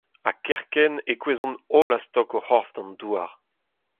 Ha kerkent e kouezhont-holl a-stok o c'horf d'an douar.